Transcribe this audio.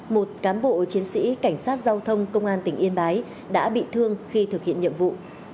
một cán bộ chiến sĩ cảnh sát giao thông công an tỉnh yên bái đã bị thương khi thực hiện nhiệm vụ